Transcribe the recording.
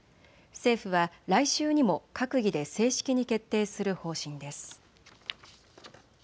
政府は来週にも閣議で正式に決定する方針です。